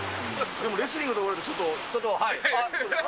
でもレスリングと言われると、ちょっと。